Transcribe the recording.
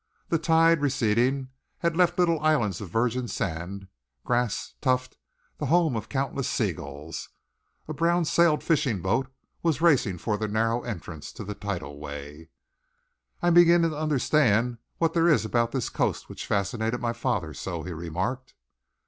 The tide, receding, had left little islands of virgin sand, grass tufted, the home of countless sea gulls. A brown sailed fishing boat was racing for the narrow entrance to the tidal way. "I am beginning to understand what there is about this coast which fascinated my father so," he remarked.